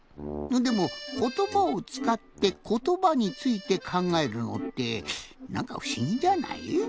でもことばをつかってことばについてかんがえるのってなんかふしぎじゃない？